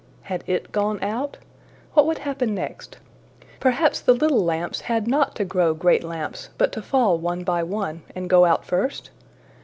Had it gone out? What would happen next? Perhaps the little lamps had not to grow great lamps, but to fall one by one and go out first?